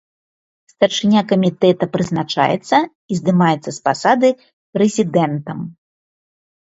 Старшыня камітэта прызначаецца і здымаецца з пасады прэзідэнтам.